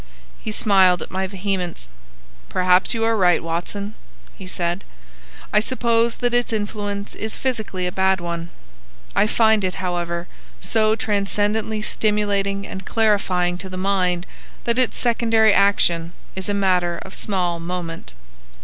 He smiled at my vehemence. "Perhaps you are right, Watson," he said. "I suppose that its influence is physically a bad one. I find it, however, so transcendently stimulating and clarifying to the mind that its secondary action is a matter of small moment."